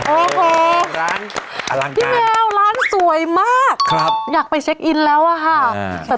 โอ้โฮพี่แมวร้านสวยมากอยากไปเช็คอินแล้วค่ะพี่แมวร้านอลังการ